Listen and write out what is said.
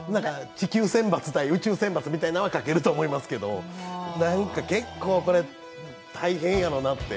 地球選抜対宇宙選抜みたいなのはかけると思いますが、結構これ、大変やろなって。